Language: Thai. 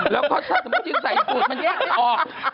แล้วก็ถ้าสมมติอยู่ใส่ฟุตมันแยกไม่ออก